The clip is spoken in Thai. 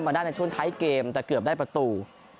ได้ในช่วงท้ายเกมแต่เกือบได้ประตู